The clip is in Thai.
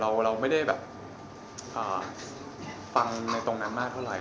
แต่เราไม่ได้ยังฟังถึงตรงนั้นมากเท่าไหร่